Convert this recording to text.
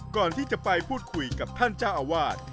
ก่อนที่จะไปพูดคุยกับท่านเจ้าอาวาส